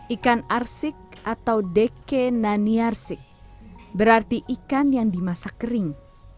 ikan arsik atau deke nani arsik berarti ikan yang dimasak kering